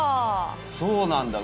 そうなんだ